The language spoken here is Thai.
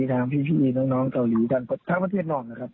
ทางพี่น้องเกาหลีทั้งประเทศนอกนะครับ